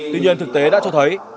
tuy nhiên thực tế đã cho thấy